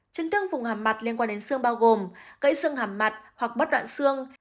trấn thương vùng hàm mặt liên quan đến xương bao gồm gãy xương hàm mặt hoặc mất đoạn xương